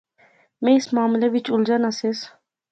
میں اس معاملے وچ الجھا ناں سیس